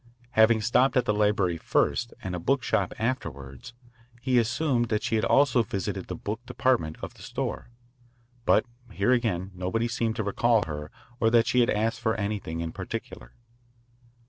Having stopped at the library first and a book shop afterward, he assumed that she had also visited the book department of the store. But here again nobody seemed to recall her or that she had asked for anything in particular.